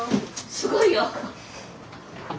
すごいよ。